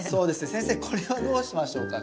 先生これはどうしましょうかね？